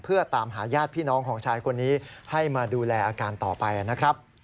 เพื่อตามหาญาติพี่น้องของชายคนนี้ให้มาดูแลอาการต่อไปนะครับ